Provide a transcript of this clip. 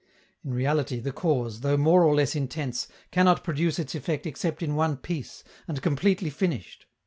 In reality, the cause, though more or less intense, cannot produce its effect except in one piece, and completely finished.